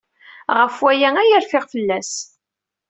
Ɣef waya ay rfiɣ fell-as.